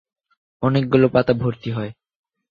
অনেকগুলো পাতা ভরতি হয়।